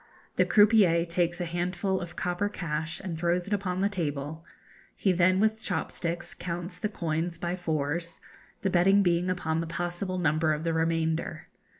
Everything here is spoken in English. The croupier takes a handful of copper cash and throws it upon the table; he then with chop sticks counts the coins by fours, the betting being upon the possible number of the remainder.